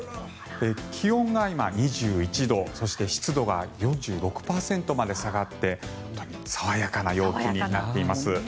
気温が今、２１度そして湿度が４６％まで下がって本当に爽やかな陽気になっています。